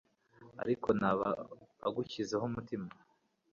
ariko ntaba agushyizeho umutima